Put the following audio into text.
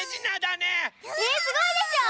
ねえすごいでしょう！